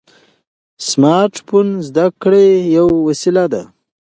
سمارټ فون د زده کړې یوه وسیله ده.